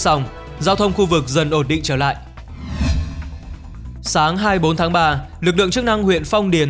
xong giao thông khu vực dần ổn định trở lại sáng hai mươi bốn tháng ba lực lượng chức năng huyện phong điền